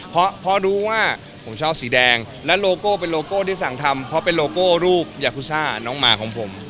เพราะรู้ว่าผมชอบสีแดงและโลโก้เป็นโลโก้ที่สั่งทำเพราะเป็นโลโก้รูปยาคุซ่าน้องหมาของผม